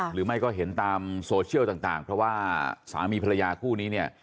หรือไม่ก็เห็นตามโซเชียลต่างเพราะว่าสามีภรรยาคู่นี้เนี่ย